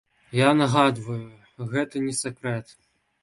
Я нагадваю, гэта не сакрэт.